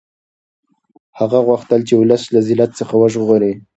هغه غوښتل خپل اولس له ذلت څخه وژغوري.